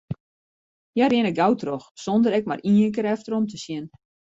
Hja rinne gau troch, sonder ek mar ien kear efterom te sjen.